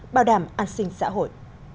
bảo đảm an sinh xã hội